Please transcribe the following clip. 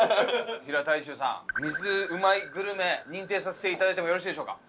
平太周さん「水美味いグルメ」認定させていただいてもよろしいでしょうか？